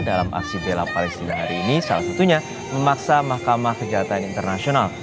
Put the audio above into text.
dalam aksi bela palestina hari ini salah satunya memaksa mahkamah kejahatan internasional